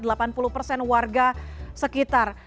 dan warga sekitar